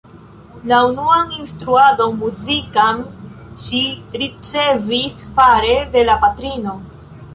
La unuan instruadon muzikan ŝi ricevis fare de la patrino.